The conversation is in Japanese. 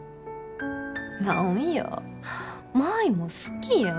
何や舞も好きやん。